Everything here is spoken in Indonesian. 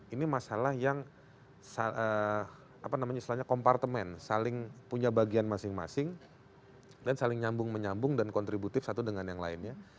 ini masalah yang kompartemen saling punya bagian masing masing dan saling nyambung menyambung dan kontributif satu dengan yang lainnya